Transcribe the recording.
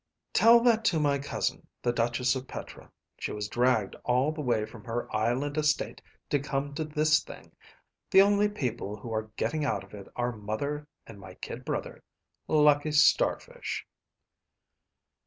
"Tell that to my cousin, the Duchess of Petra. She was dragged all the way from her island estate to come to this thing. The only people who are getting out of it are mother and my kid brother. Lucky starfish."